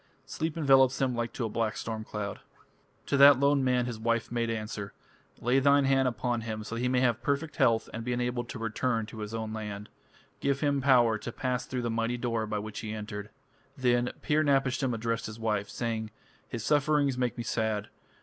Sleep envelops him like to a black storm cloud." To that lone man his wife made answer: "Lay thine hand upon him so that he may have perfect health and be enabled to return to his own land. Give him power to pass through the mighty door by which he entered." Then Pir napishtim addressed his wife, saying: "His sufferings make me sad.